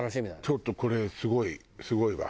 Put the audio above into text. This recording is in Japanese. ちょっとこれすごいすごいわ。